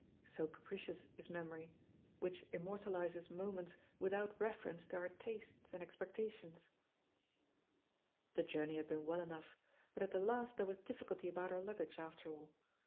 So THE POSITION OP PEGGY HARPER 196 capricious is memoiy^ which immortalises mo ments without reference to our tastes and ex pectations I The journey had been well enough, but at the last there was difficulty about her luggage after all.